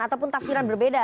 ataupun tafsiran berbeda